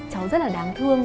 cháu rất là đáng thương